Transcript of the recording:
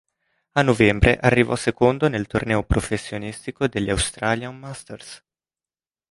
A novembre arrivò secondo nel torneo professionistico degli Australian Masters.